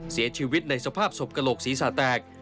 เสียชีวิตในสภาพศพกระโหลกศีรษะแตก